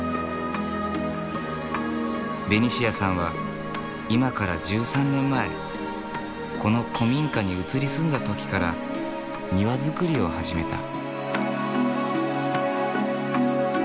ベニシアさんは今から１３年前この古民家に移り住んだ時から庭造りを始めた。